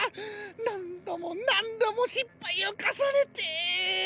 なんどもなんどもしっぱいをかさねて。